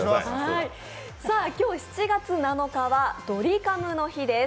今日、７月７日はドリカムの日です。